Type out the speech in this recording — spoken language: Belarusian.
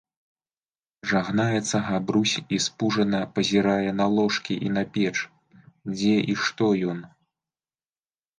Жагнаецца Габрусь i спужана пазiрае на ложкi i на печ, дзе i што ён?